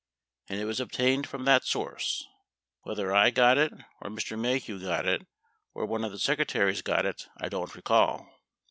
And it was obtained from that source. Whether I got it or Mr. Maheu got it or one of the secretaries got it, I don't recall.